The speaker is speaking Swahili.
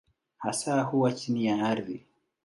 Hasa huwa chini ya ardhi.